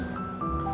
udah gue pesenin